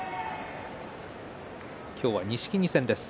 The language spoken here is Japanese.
今日は錦木戦です。